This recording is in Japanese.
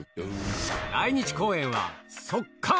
来日公演は即完！